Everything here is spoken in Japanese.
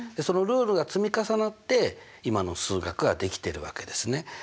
そのルールが積み重なって今の数学が出来てるわけですね。